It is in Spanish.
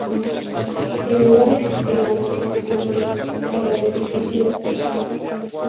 El lugar es de gran atracción turística, pero de difícil acceso.